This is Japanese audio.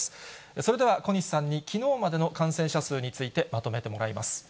それでは、小西さんにきのうまでの感染者数について、まとめてもらいます。